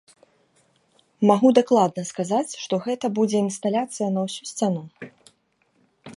Магу дакладна сказаць, што гэта будзе інсталяцыя на ўсю сцяну.